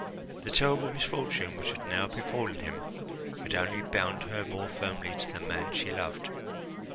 The terrible misfortune which had now befallen him had only bound her more firmly to the man she loved.